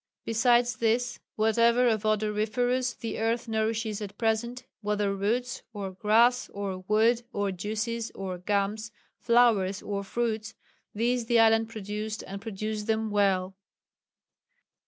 Besides this, whatever of odoriferous the earth nourishes at present, whether roots, or grass, or wood, or juices, or gums, flowers or fruits these the island produced and produced them well."